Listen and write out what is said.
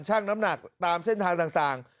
น้ำหนักตามเส้นทางต่าง